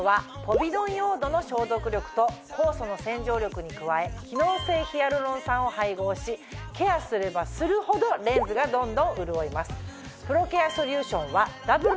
と酵素の洗浄力に加え機能性ヒアルロン酸を配合しケアすればするほどレンズがどんどん潤います。